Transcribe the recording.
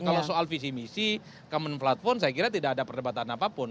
kalau soal visi misi common platform saya kira tidak ada perdebatan apapun